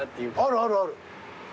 あるあるある。